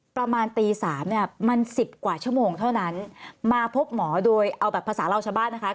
ประมาณตี๓มัน๑๐กว่าชั่วโมงเท่านั้นมาพบหมอโดยเอาแบบภาษาเล่าชะบ้านนะคะ